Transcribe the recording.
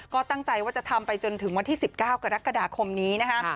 ก็ตั้งใจว่าจะทำไปจนถึงวันที่๑๙กรกฎาคมนี้นะคะ